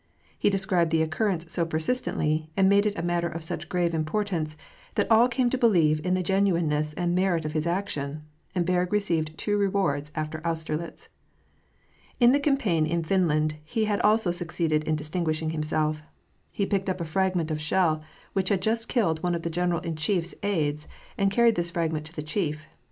He described the occur rence so persistently, and made it a matter of such grave importance, that all came to believe in the genuineness and merit of his action, and Berg received two rewards after Austerlitz. In the campaign in Finland, he had also succeeded in dis tinguishing himself. He picked up a fragment of shell which had just killed one of the general in chief's aides, and carried this fragment to the chief.